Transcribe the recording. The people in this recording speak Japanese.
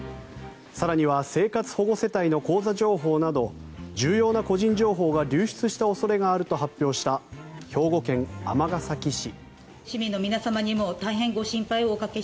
更には生活保護世帯の口座情報など重要な個人情報が流出した恐れがあると発表した兵庫県尼崎市。